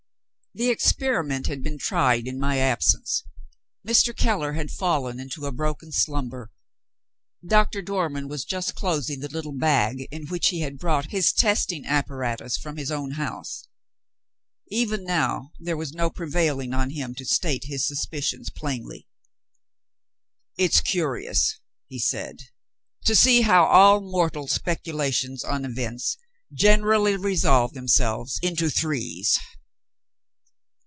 The experiment had been tried in my absence. Mr. Keller had fallen into a broken slumber. Doctor Dormann was just closing the little bag in which he had brought his testing apparatus from his own house. Even now there was no prevailing on him to state his suspicions plainly. "It's curious," he said, "to see how all mortal speculations on events, generally resolve themselves into threes.